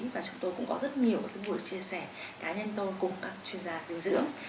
và chúng tôi cũng có rất nhiều buổi chia sẻ cá nhân tôi cùng các chuyên gia dinh dưỡng